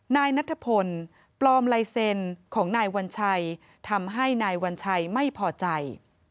นายนัทพลปลอมลายเซ็นของนายวัญชัยทำให้นายวัญชัยไม่พอใจ